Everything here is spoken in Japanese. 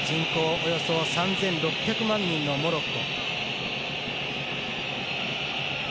およそ３６００万人のモロッコ。